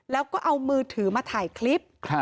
แล้วก็เอามือถือมาถ่ายคลิป